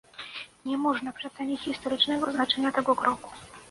Nie można przecenić historycznego znaczenia tego kroku